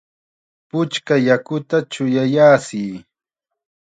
¡Puchka yakuta chuyayachiy!